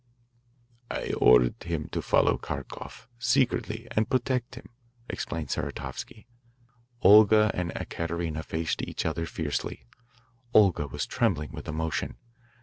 "I ordered him to follow Kharkoff secretly and protect him," explained Saratovsky. Olga and Ekaterina faced each other fiercely. Olga was trembling with emotion.